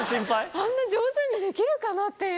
あんな上手にできるかなっていう。